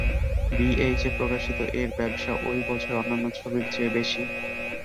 B H F প্রকাশিত এর ব্যবসা ওই বছরের অন্যান্য ছবির চেয়ে বেশি।